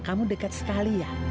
kamu deket sekali ya